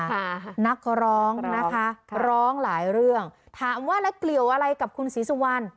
ค่ะนักร้องนะคะร้องหลายเรื่องถามว่าแล้วเกี่ยวอะไรกับคุณศรีสุวรรณ